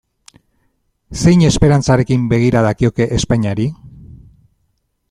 Zein esperantzarekin begira dakioke Espainiari?